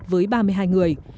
với ba mươi hai người